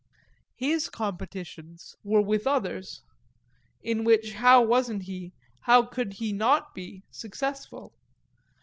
His competitions were with others in which how wasn't he, how could he not be, successful?